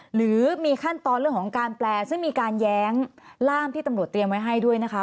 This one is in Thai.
หรือมีขั้นตอนเรื่องของการแปลซึ่งมีการแย้งร่ามที่ตำรวจเตรียมไว้ให้ด้วยนะคะ